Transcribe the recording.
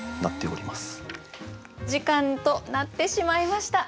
お時間となってしまいました。